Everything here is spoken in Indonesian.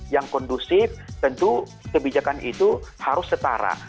yang kondusif tentu kebijakan itu harus setara